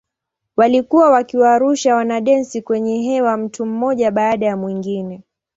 Walikuwa wakiwarusha wanadensi kwa hewa mtu mmoja baada ya mwingine.